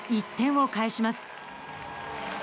１点を返します。